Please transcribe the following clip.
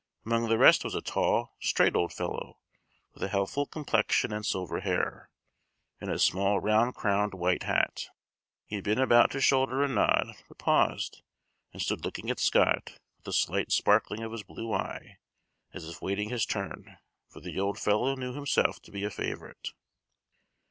Among the rest was a tall, straight old fellow, with a healthful complexion and silver hair, and a small round crowned white hat. He had been about to shoulder a nod, but paused, and stood looking at Scott, with a slight sparkling of his blue eye, as if waiting his turn; for the old fellow knew himself to be a favorite.